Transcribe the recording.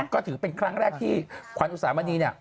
ก็ถือเป็นครั้งแรกที่ขวัญอุสามณีเนี่ย